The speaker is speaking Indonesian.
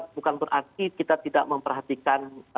bukan berarti kita tidak memperhatikan